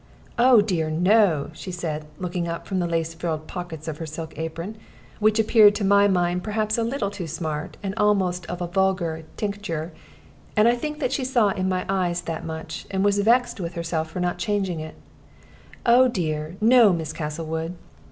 "Oh dear, no!" she said, looking up from the lace frilled pockets of her silk apron, which appeared to my mind perhaps a little too smart, and almost of a vulgar tincture; and I think that she saw in my eyes that much, and was vexed with herself for not changing it "oh dear, no, Miss Castlewood!